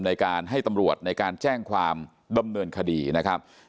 ในการให้ตำรวจในการแจ้งความดำเนินคดีนะครับ